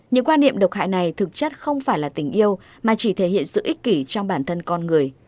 những quan niệm độc hại này thực chất không phải là tình yêu mà chỉ thể hiện sự ích kỷ trong bản thân con người